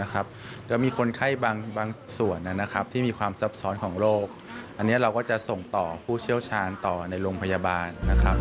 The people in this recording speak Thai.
จะมีคนไข้บางส่วนที่มีความซับซ้อนของโรคอันนี้เราก็จะส่งต่อผู้เชี่ยวชาญต่อในโรงพยาบาลนะครับ